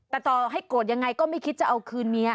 แต่ต่อให้โกรธยังไงก็ไม่คิดจะเอาคืนเมีย